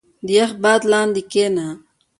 • د یخ باد لاندې کښېنه.